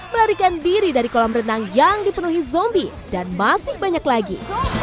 melarikan diri dari kolam renang yang dipenuhi zombie dan masih banyak lagi